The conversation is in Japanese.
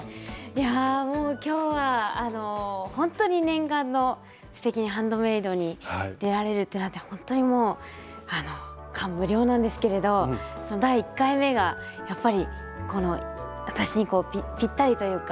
いやもう今日はあの本当に念願の「すてきにハンドメイド」に出られるってなってほんとにもうあの感無量なんですけれどその第１回目がやっぱりこの私にぴったりというか。